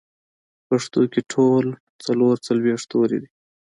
پښتو کې ټول څلور څلوېښت توري دي